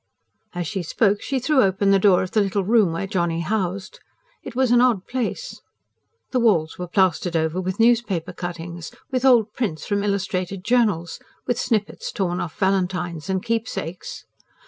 As she spoke, she threw open the door of the little room where Johnny housed. It was an odd place. The walls were plastered over with newspaper cuttings, with old prints from illustrated journals, with snippets torn off valentines and keepsakes.